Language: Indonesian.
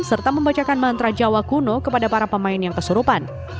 serta membacakan mantra jawa kuno kepada para pemain yang kesurupan